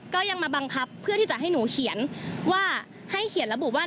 ก็ยังมาบังคับเพื่อที่จะให้หนูเขียนว่าให้เขียนระบุว่า